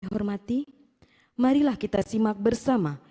hormati marilah kita simak bersama